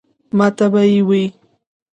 ماته به ئې وې ـ